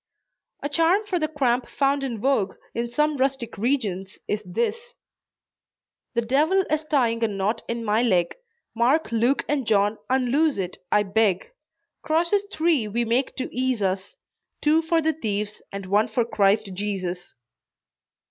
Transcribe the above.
A charm for the cramp found in vogue in some rustic regions is this: "The devil is tying a knot in my leg, Mark, Luke and John, unloose it, I beg, Crosses three we make to ease us Two for the thieves, and one for Christ Jesus."